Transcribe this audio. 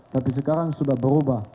tapi sekarang sudah berubah